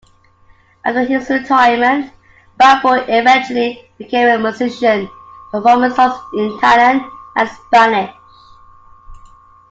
After his retirement, Balbo eventually became a musician, performing songs in Italian and Spanish.